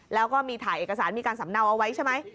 แล้วก็มีถ่ายเอกสารมีการสำเนาเอาไว้ใช่ไหม